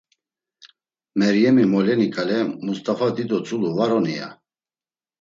Meryemi moleni ǩale: “Must̆afa dido tzulu var oni?” ya.